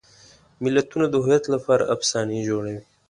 ملتونه د هویت لپاره افسانې جوړوي.